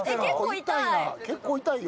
結構痛い。